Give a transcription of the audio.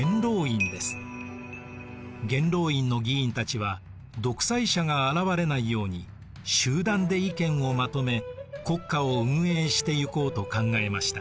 元老院の議員たちは独裁者が現れないように集団で意見をまとめ国家を運営していこうと考えました。